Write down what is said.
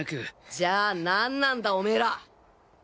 じゃあ何なんだオメーら！！